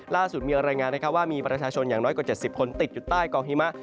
ล่าสุดมีรายงานว่ามีประชาชนอย่างน้อยกว่า๗๐คนติดอยู่ใต้กองหิมะ